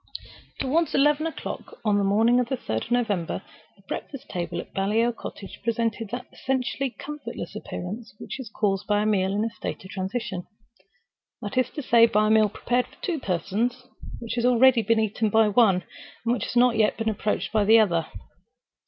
Toward eleven o'clock, on the morning of the third of November, the breakfast table at Baliol Cottage presented that essentially comfortless appearance which is caused by a meal in a state of transition—that is to say, by a meal prepared for two persons, which has been already eaten by one, and which has not yet been approached by the other.